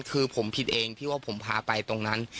คือผมผิดเองที่ว่าผมพาไปตรงนั้น